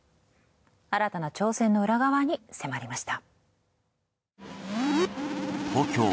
新たな挑戦の裏側に迫りました。